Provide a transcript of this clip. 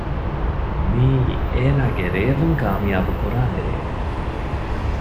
މިއީ އޭނާގެ ރޭވުން ކާމިޔާބު ކުރާނެ ރޭ